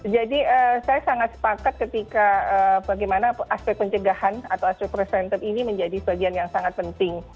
saya sangat sepakat ketika bagaimana aspek pencegahan atau aspek presenter ini menjadi bagian yang sangat penting